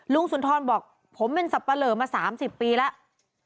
สุนทรบอกผมเป็นสับปะเหลอมา๓๐ปีแล้ว